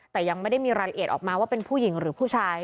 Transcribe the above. แต่ยังไม่ได้มีรายละเอียดออกมาว่าเป็นผู้หญิงหรือผู้ชาย